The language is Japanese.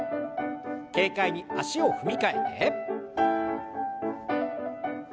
軽快に足を踏み替えて。